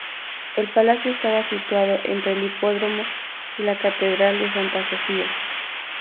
El palacio estaba situado entre el Hipódromo y la catedral de Santa Sofía.